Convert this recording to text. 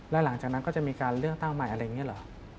แล้วหลังจากนั้นก็จะมีการเลือกตั้งใหม่อะไรอย่างนี้เหรอ